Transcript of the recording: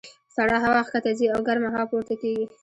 سړه هوا ښکته ځي او ګرمه هوا پورته کېږي.